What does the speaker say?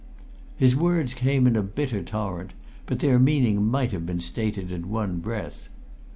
His words came in a bitter torrent, but their meaning might have been stated in one breath.